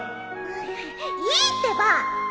いいってば！